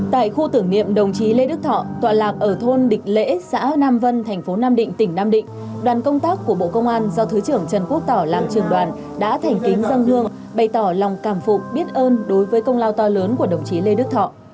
tại khu tưởng niệm đồng chí lê đức thọ tọa lạc ở thôn địch lễ xã nam vân thành phố nam định tỉnh nam định đoàn công tác của bộ công an do thứ trưởng trần quốc tỏ làm trưởng đoàn đã thành kính dân hương bày tỏ lòng cảm phục biết ơn đối với công lao to lớn của đồng chí lê đức thọ